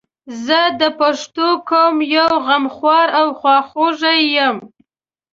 زه د پښتون قوم یو غمخوار او خواخوږی یم